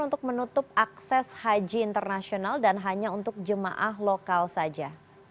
untuk menutup akses haji internasional dan hanya untuk jemaah lokal saja